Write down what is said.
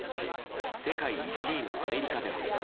世界１位のアメリカでは。